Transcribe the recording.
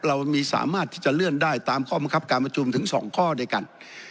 เรามีสามารถที่จะเลื่อนได้ตามข้อบังคับการประชุมถึง๒ข้อด้วยกัน